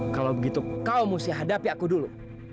kalau begitu kau mesti hadapi aku dulu